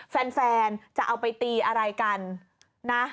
แฟนจะเอาไปตีอะไรกันนะ